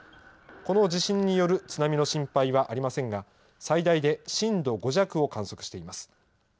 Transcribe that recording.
この地震による津波の心配はありませんが、最大で震度５弱を観測しています。